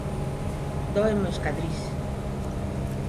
Dóenme os cadrís